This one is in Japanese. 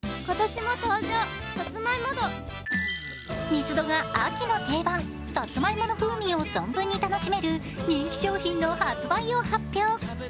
ミスドが秋の定番さつまいもの風味を存分に楽しめる人気商品の発売を発表。